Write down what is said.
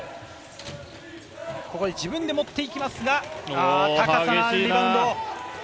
自分で持って行きますが、高さがあるリバウンド。